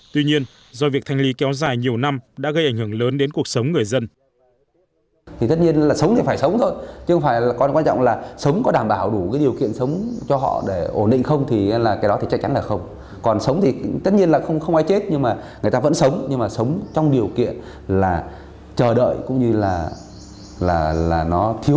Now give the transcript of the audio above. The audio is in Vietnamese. tuy nhiên do việc thanh lý kéo dài nhiều năm đã gây ảnh hưởng lớn đến cuộc sống người dân